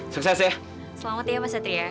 sukses ya selamat ya mas satria